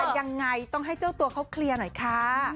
ยังไงต้องให้เจ้าตัวเขาเคลียร์หน่อยค่ะ